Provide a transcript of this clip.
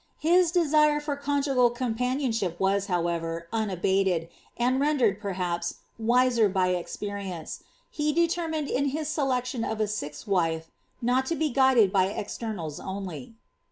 His desire for conjugal companions:hip was, however, unabated, and nodered, perhaps, wiser by experience, he determined in his selection of a sixth wife, not to be guided by externals only.